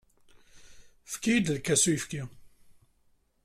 Efk-iyi-d lkas n uyefki.